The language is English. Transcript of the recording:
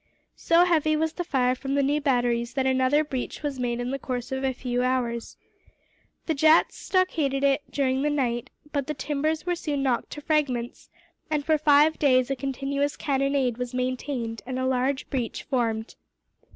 So heavy was the fire from the new batteries that another breach was made in the course of a few hours. The Jats stockaded it during the night, but the timbers were soon knocked to fragments and, for five days, a continuous cannonade was maintained and a large breach formed.